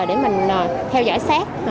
để mình theo dõi sát